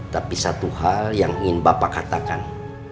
tapi satu hal yang ingin bapak katakan